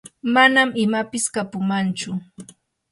manam imapis kapumanchu.